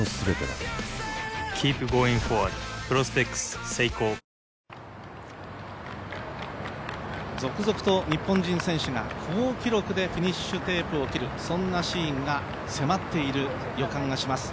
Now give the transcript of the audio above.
今は向かい風ですが第２折り返しのあとは続々と日本選手が好記録でフィニッシュテープを切るそんなシーンが迫っている予感がします。